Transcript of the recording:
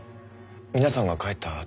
皆さんが帰ったあと。